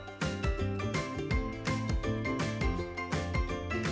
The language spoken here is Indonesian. tidak ada yang tidak bisa ditemukan